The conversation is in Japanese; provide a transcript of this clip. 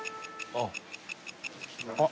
［あっ］